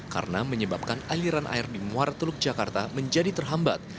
karena menyebabkan aliran air di muara teluk jakarta menjadi terhambat